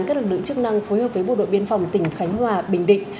các lực lượng chức năng phối hợp với bộ đội biên phòng tỉnh khánh hòa bình định